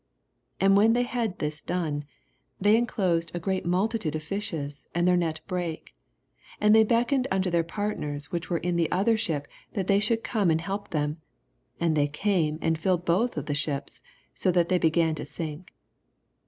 6 And when they had this done. they indosed a great multitade of fishes : and their net brake. 7 And they beckoned nnto their partners, which were in the other ship, that they should come and help them. And they came, and filled botn the ships, so that they began to sink.